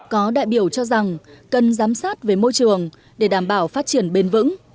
có đại biểu cho rằng cần giám sát về môi trường để đảm bảo phát triển bền vững